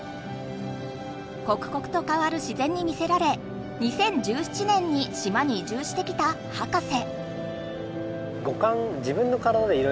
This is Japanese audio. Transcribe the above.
こくこくとかわる自然にみせられ２０１７年に島に移住してきたハカセ。